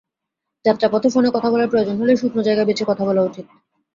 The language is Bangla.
যাত্রাপথে ফোনে কথা বলার প্রয়োজন হলে শুকনো জায়গা বেছে কথা বলা উচিত।